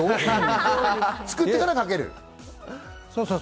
作ってから、かける。